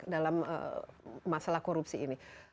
dalam masalah korupsi ini